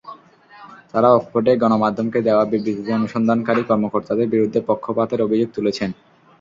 তঁারা অকপটে গণমাধ্যমকে দেওয়া বিবৃতিতে অনুসন্ধানকারী কর্মকর্তাদের বিরুদ্ধে পক্ষপাতের অভিযোগ তুলছেন।